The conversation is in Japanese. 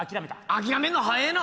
諦めんの早えな！